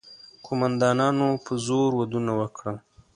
قوماندانانو په زور ودونه وکړل.